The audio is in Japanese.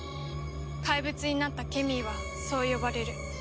怪物になったケミーはそう呼ばれる。